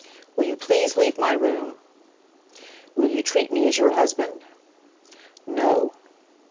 "Will you please leave my room?" "Will you treat me as your husband?" "No."